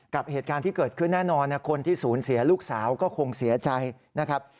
กับเหตุการณ์ที่เกิดขึ้นแน่นอนคนที่สูญเสียลูกสาวก็คงเสียใจนะครับ